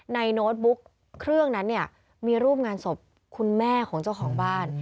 โน้ตบุ๊กเครื่องนั้นเนี่ยมีรูปงานศพคุณแม่ของเจ้าของบ้าน